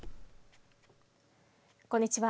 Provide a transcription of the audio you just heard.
こんにちは。